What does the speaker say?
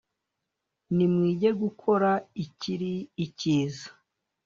Nimwige gukora ikiri icyiza,